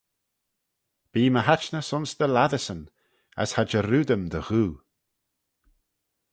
Bee my haitnys ayns dty lattyssyn: as cha jarrood-ym dty ghoo.